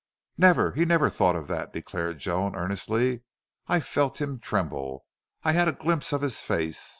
"Never! He never thought of that," declared Joan, earnestly. "I felt him tremble. I had a glimpse of his face....